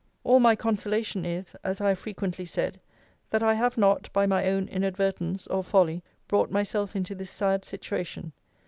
All my consolation is, as I have frequently said, that I have not, by my own inadvertence or folly, brought myself into this sad situation.